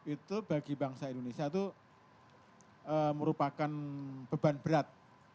itu bagi bangsa indonesia itu merupakan beban berat